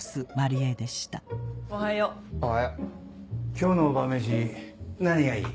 今日の晩飯何がいい？